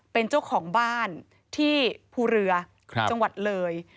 เป็นเจ้าของบ้านที่ภูเรือจังหวัดเลย